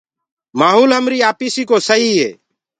مآهولَ همريٚ آپيٚسيٚ ڪو سهيٚ هي